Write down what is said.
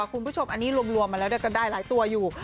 คุณผู้ชมอันนี้รวมมาแล้วก็ได้หลายตัวอยู่